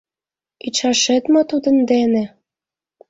Ӱчашет мо тудын дене?!